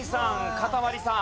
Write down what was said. かたまりさん